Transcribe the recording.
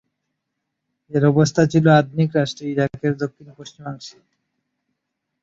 এর অবস্থান ছিল আধুনিক রাষ্ট্র ইরাক এর দক্ষিণ-পশ্চিমাংশে।